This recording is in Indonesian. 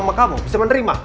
aku mau ketemu dengan papa aku